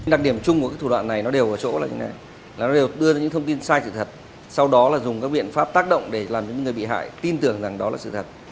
đặc điểm chung của thủ đoạn này đều đưa ra những thông tin sai sự thật sau đó dùng các biện pháp tác động để làm cho những người bị hại tin tưởng rằng đó là sự thật